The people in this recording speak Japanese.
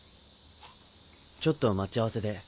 ちょっと待ち合わせで。